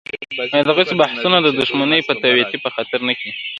دغسې بحثونه د دښمنۍ یا توطیې په خاطر نه کېږي.